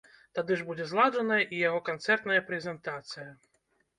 Тады ж будзе зладжаная і яго канцэртная прэзентацыя.